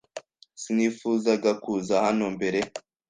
Sinifuzaga kuza hano mbere.